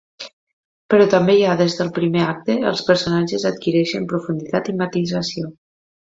Però també ja des del primer acte els personatges adquireixen profunditat i matisació.